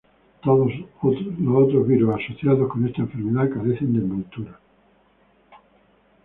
Todos otros virus asociados con esta enfermedad carecen de envoltura.